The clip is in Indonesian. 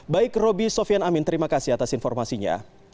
baik roby sofian amin terima kasih atas informasinya